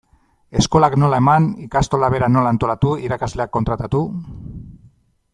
Eskolak nola eman, ikastola bera nola antolatu, irakasleak kontratatu...